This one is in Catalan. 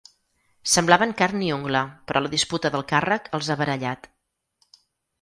Semblaven carn i ungla, però la disputa del càrrec els ha barallat.